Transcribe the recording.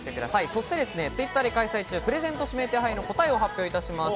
そして、Ｔｗｉｔｔｅｒで開催中、プレゼント指名手配の答えを発表いたします。